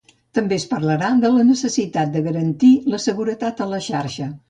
També es parlarà de la necessitat de garantir la seguretat a la xarxa.